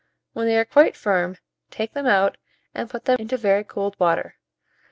When they are quite firm, take them out and put them into very cold water.